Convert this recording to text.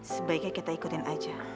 sebaiknya kita ikutin aja